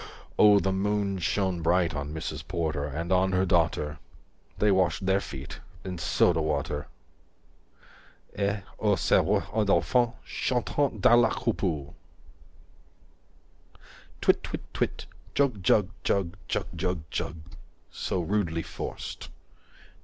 O the moon shone bright on Mrs. Porter And on her daughter 200 They wash their feet in soda water Et, O ces voix d'enfants, chantant dans la coupole! Twit twit twit Jug jug jug jug jug jug So rudely forc'd.